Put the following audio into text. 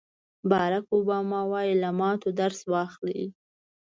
باراک اوباما وایي له ماتو درس واخلئ.